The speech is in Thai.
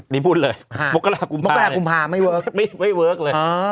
นี่พูดเลยมกราคมภาพไม่เวิร์กเลย